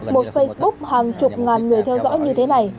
một facebook hàng chục ngàn người theo dõi như thế này